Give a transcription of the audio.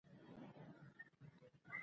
بيا يې ستاينه کړې.